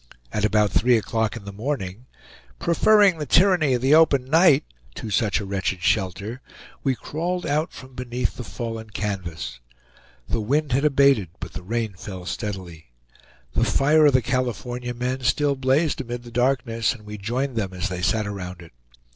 At about three o'clock in the morning, "preferring the tyranny of the open night" to such a wretched shelter, we crawled out from beneath the fallen canvas. The wind had abated, but the rain fell steadily. The fire of the California men still blazed amid the darkness, and we joined them as they sat around it.